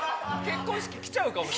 ◆結婚式来ちゃうかも。